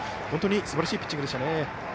本当にすばらしいピッチングでしたね。